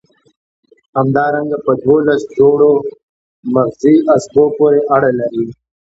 همدارنګه په دوولس جوړو مغزي عصبو پورې اړه لري.